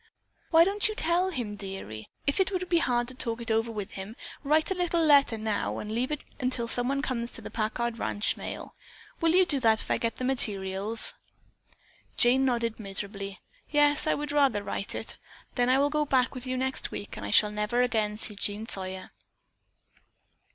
"Why don't you tell him, dearie? If it would be hard to talk it over with him, write a little letter now and leave it until someone comes for the Packard ranch mail. Will you do that if I get the materials?" Jane nodded miserably. "Yes, I would rather write it. Then I will go back with you next week and I shall never again see Jean Sawyer."